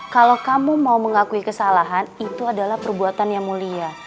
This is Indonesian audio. kalau kamu mau mengakui kesalahan itu adalah perbuatan yang mulia